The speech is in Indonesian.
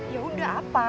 ya udah apa